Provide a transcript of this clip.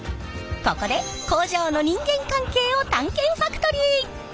ここで工場の人間関係を探検ファクトリー！